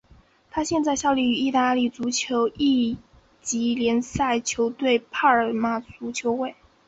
他现在效力于意大利足球乙级联赛球队帕尔马足球会。